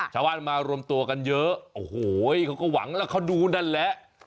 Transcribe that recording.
ชาวบ้านมารวมตัวกันเยอะโอ้โหเขาก็หวังแล้วเขาดูนั่นแหละ